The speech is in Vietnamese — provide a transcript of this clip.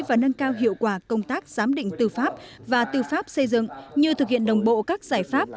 và nâng cao hiệu quả công tác giám định tư pháp và tư pháp xây dựng như thực hiện đồng bộ các giải pháp